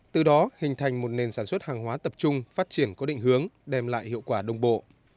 từ đó hình thành một nền sản xuất hàng hóa tập trung phát triển có định hướng đem lại hiệu quả đồng bộ